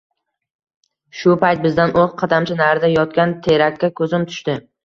Shu payt bizdan oʻn qadamcha narida yotgan terakka koʻzim tushdi.